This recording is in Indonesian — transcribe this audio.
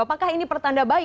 apakah ini pertanda baik